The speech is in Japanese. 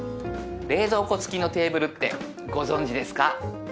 冷蔵庫つきのテーブルってご存じですか？